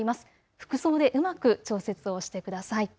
服装でうまく調節をしてください。